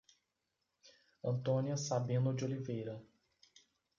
Antônia Sabino de Oliveira